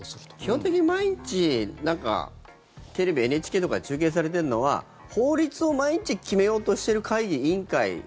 基本的に毎日テレビ、ＮＨＫとかで中継されてるのは法律を毎日決めようとしてる会議、委員会。